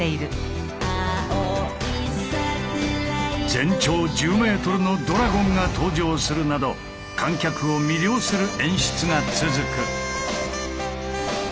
全長１０ｍのドラゴンが登場するなど観客を魅了する演出が続く。